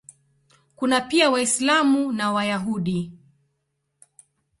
Kuna pia Waislamu na Wayahudi.